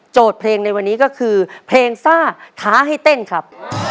เพลงในวันนี้ก็คือเพลงซ่าท้าให้เต้นครับ